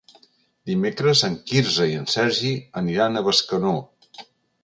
Dimecres en Quirze i en Sergi aniran a Bescanó.